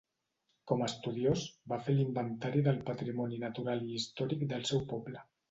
Com estudiós va fer l'inventari del patrimoni natural i històric del seu poble.